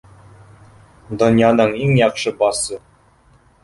Донъяның иң яҡшы басы.